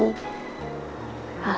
bisa sekolah lagi